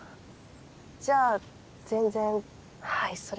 じゃあ全然はいそれで。